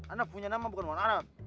anda punya nama bukan wan arab